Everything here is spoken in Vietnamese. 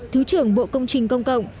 thứ trưởng bộ công trình công cộng